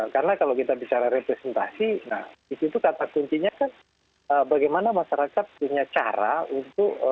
karena kalau kita bicara representasi nah disitu kata kuncinya kan bagaimana masyarakat punya cara untuk